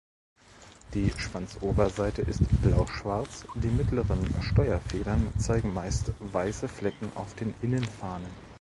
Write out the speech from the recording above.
Die Schwanzoberseite ist blauschwarz, die mittleren Steuerfedern zeigen meist weiße Flecken auf den Innenfahnen.